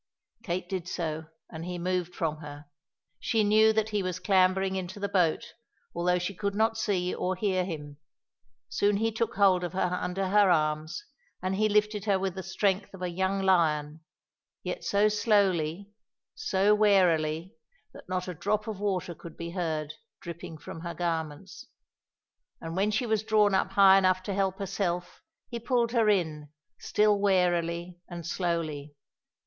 Kate did so, and he moved from her. She knew that he was clambering into the boat, although she could not see or hear him. Soon he took hold of her under her arms, and he lifted with the strength of a young lion, yet so slowly, so warily, that not a drop of water could be heard dripping from her garments. And when she was drawn up high enough to help herself, he pulled her in, still warily and slowly.